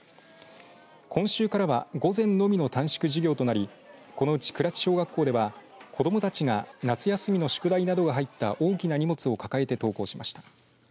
今週からは午前のみの短縮授業となりこのうち倉知小学校では子どもたちが夏休みの宿題などが入った大きな荷物を抱えて登校しました。